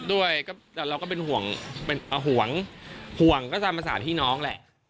ด้วยแต่เราก็เป็นห่วงสามอาสารพี่น้องแหละ